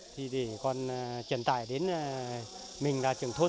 thì để còn